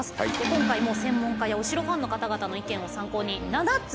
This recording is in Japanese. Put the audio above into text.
今回も専門家やお城ファンの方々の意見を参考に７つ城を選びました。